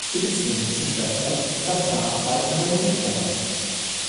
Die Beziehung zur Schwester zerbrach bald an der Musik der beiden.